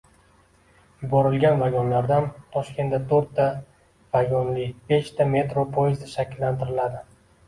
Yuborilgan vagonlardan Toshkentda to‘rtta vagonlibeshta metro poyezdi shakllantiriladi